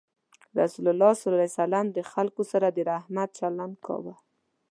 رسول الله صلى الله عليه وسلم د خلکو سره د رحمت چلند کاوه.